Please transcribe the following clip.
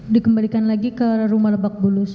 dikembalikan lagi ke rumah lebak bulus